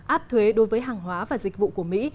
áp thuế đối với hàng hóa và dịch vụ của mỹ